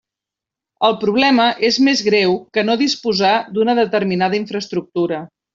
El problema és més greu que no disposar d'una determinada infraestructura.